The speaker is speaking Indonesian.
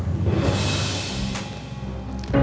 saya bener bener butuh bantuan kamu nay